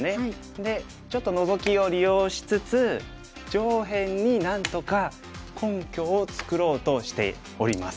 でちょっとノゾキを利用しつつ上辺になんとか根拠を作ろうとしております。